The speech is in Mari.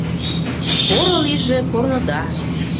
«Поро лийже корныда.